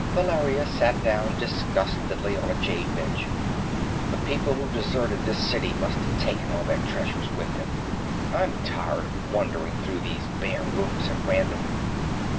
Valeria sat down disgustedly on a jade bench. "The people who deserted this city must have taken all their treasures with them. I'm tired of wandering through these bare rooms at random."